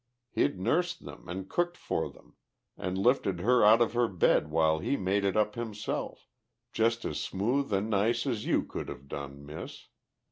He'd nursed them and cooked for them, and lifted her out of her bed while he made it up himself, just as smooth and nice as you could have done, Miss.